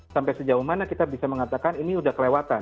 sampai sejauh mana kita bisa mengatakan ini sudah kelewatan